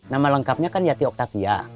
nama lengkapnya kan yati oktavia